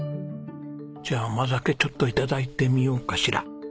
じゃあ甘酒ちょっと頂いてみようかしら。